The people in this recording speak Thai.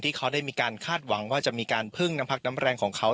ที่เขาได้มีการคาดหวังว่าจะมีการพึ่งน้ำพักน้ำแรงของเขา